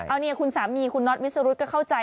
เอาเนี่ยคุณสามีคุณน็อตวิสรุธก็เข้าใจ